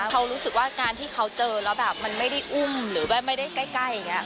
เขารู้สึกว่าการที่เขาเจอแล้วแบบมันไม่ได้อุ้มหรือว่าไม่ได้ใกล้อย่างนี้